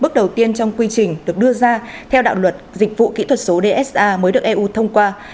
bước đầu tiên trong quy trình được đưa ra theo đạo luật dịch vụ kỹ thuật số dsa mới được eu thông qua